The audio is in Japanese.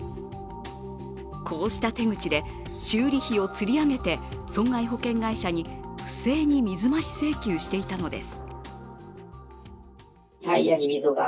こうした手口で修理費をつり上げて損害保険会社に不正に水増し請求していたのです。